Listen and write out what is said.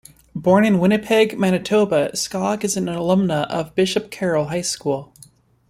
Born in Winnipeg, Manitoba, Skauge is an alumna of Bishop Carroll High School.